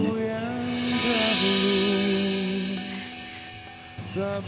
masih ini semua